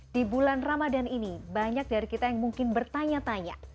di bulan ramadan ini banyak dari kita yang mungkin bertanya tanya